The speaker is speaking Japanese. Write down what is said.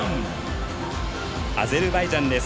アゼルバイジャンです。